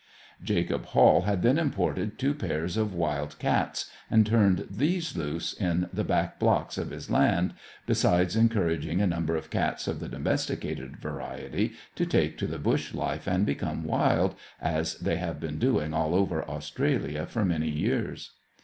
Jacob Hall had then imported two pairs of wild cats, and turned these loose in the back blocks of his land, besides encouraging a number of cats of the domesticated variety to take to the bush life and become wild, as they have been doing all over Australia for many years.